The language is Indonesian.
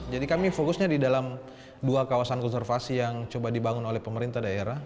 jadi kami fokusnya di dalam dua kawasan konservasi yang coba dibangun oleh pemerintah daerah